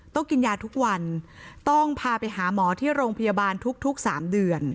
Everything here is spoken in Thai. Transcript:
ต้องกินยาทุกวันต้องพาไปหาหมอที่โรงพยาบาลทุก๓เดือน